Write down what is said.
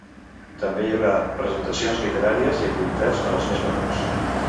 També hi haurà presentacions literàries i activitats per als més menuts.